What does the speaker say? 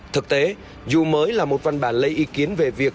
thực tế dù mới là một văn bản lấy ý kiến về việc